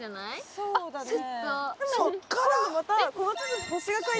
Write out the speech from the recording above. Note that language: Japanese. そうだよ。